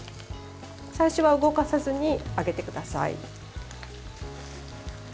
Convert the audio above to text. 最初は動かさずに揚げてください。